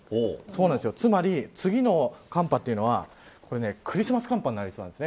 つまり、次の寒波というのはクリスマス寒波になりそうなんです。